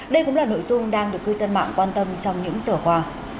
đây cũng là nội dung đang được cư dân mạng quan tâm trong những sửa quà